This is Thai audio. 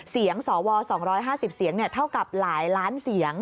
เสียงสว๒๕๐เสียงเท่ากับหลายล้านเสียง